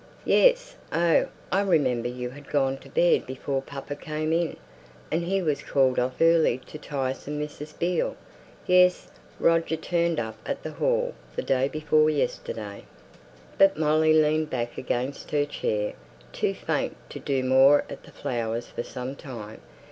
"Yes. Oh, I remember you had gone to bed before papa came in, and he was called off early to tiresome Mrs. Beale. Yes, Roger turned up at the Hall the day before yesterday." But Molly leaned back against her chair, too faint to do more at the flowers for some time.